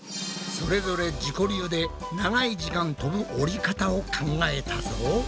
それぞれ自己流で長い時間飛ぶ折り方を考えたぞ。